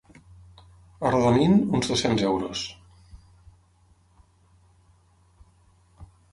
Arrodonint, uns dos-cents euros.